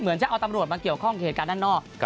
จะเอาตำรวจมาเกี่ยวข้องเหตุการณ์ด้านนอก